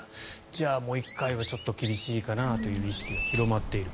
じゃあもう１回は厳しいかなという意識が広まっている。